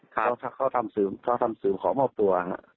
เขาทำสืบขอมอบตัว